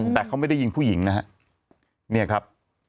แต่เขาไม่ได้ยิงผู้หญิงนะฮะเนี่ยครับ